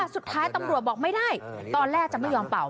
สุดท้ายตำรวจบอกไม่ได้ตอนแรกจะไม่ยอมเป่า